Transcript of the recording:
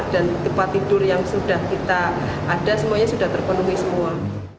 dan tempat tidur yang sudah kita ada semuanya sudah terpenuhi semua